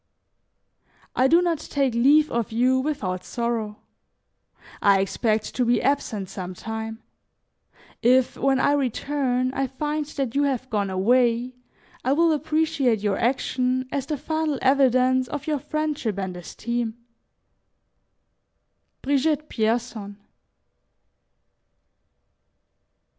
"I do not take leave of you without sorrow; I expect to be absent some time; if, when I return, I find that you have gone away, I will appreciate your action as the final evidence of your friendship and esteem. "BRIGITTE PIERSON."